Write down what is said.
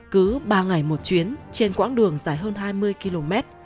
cứ ba ngày một chuyến trên quãng đường dài hơn hai mươi km